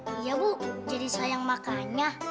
iya bu jadi sayang makanya